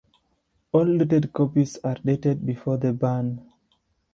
All dated copies are dated before the ban.